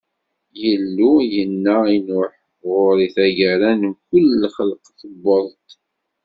Illu yenna i Nuḥ: Ɣur-i, taggara n mkul lxelq tewweḍ-d.